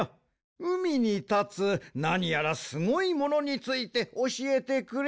うみにたつなにやらすごいものについておしえてくれ。